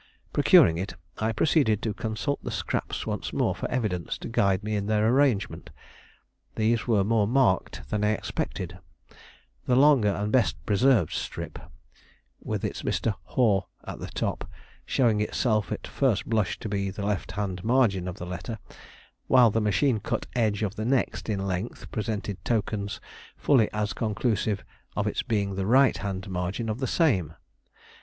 Procuring it, I proceeded to consult the scraps once more for evidence to guide me in their arrangement. These were more marked than I expected; the longer and best preserved strip, with its "Mr. Hor" at the top, showing itself at first blush to be the left hand margin of the letter, while the machine cut edge of the next in length presented tokens fully as conclusive of its being the right hand margin of the same.